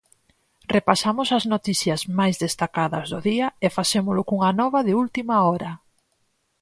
Repasamos as noticias máis destacadas do día e facémolo cunha nova de última hora.